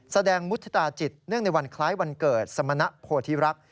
แสดงมุฒิตาจิตเนื่องในวันคล้ายวันเกิดสมณโพธิรักษ